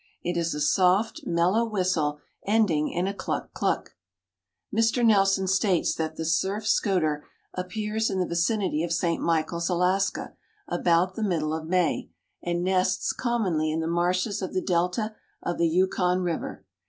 It is a soft, mellow whistle ending in a cluck! cluck! Mr. Nelson states that the Surf Scoter appears in the vicinity of St. Michaels, Alaska, about the middle of May and nests commonly in the marshes of the delta of the Yukon river.